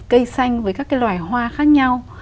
cây xanh với các loài hoa khác nhau